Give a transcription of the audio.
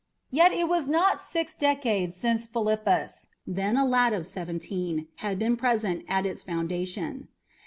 Yet it was not six decades since Philippus, then a lad of seventeen, had been present at its foundation.